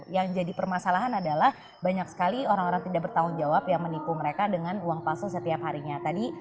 yang jadi permasalahan adalah banyak sekali orang orang tidak bertanggung jawab yang menipu mereka dengan uang palsu setiap harinya tadi